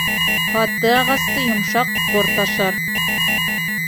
Ҡаты ағасты йомшаҡ ҡорт ашар.